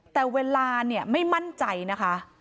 แต่เวลาเนี่ยไม่มั่นใจนะคะ